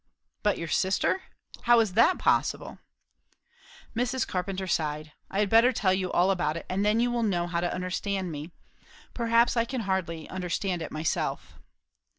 "But your sister? How is that possible?" Mrs. Carpenter sighed. "I had better tell you all about it, and then you will know how to understand me. Perhaps. I can hardly understand it myself."